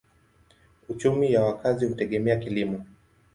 Uchumi ya wakazi hutegemea kilimo.